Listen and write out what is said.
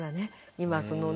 今そのね